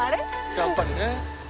やっぱりね。